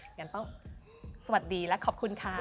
งั้นต้องสวัสดีและขอบคุณค่ะ